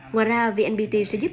ngoài ra vnpt sẽ giúp